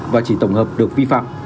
và chỉ tổng hợp được vi phạm